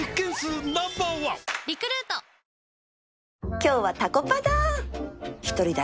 今日はタコパだ！